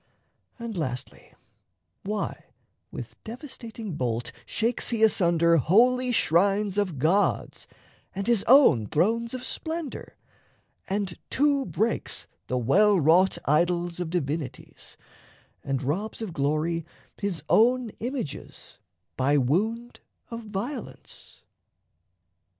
And, lastly, why, with devastating bolt Shakes he asunder holy shrines of gods And his own thrones of splendour, and to breaks The well wrought idols of divinities, And robs of glory his own images By wound of violence?